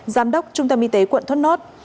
giám đốc trung tâm y tế quận thốt nốt